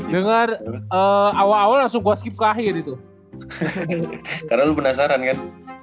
dengar awal awal langsung gue skip ke akhir itu karena lu penasaran kan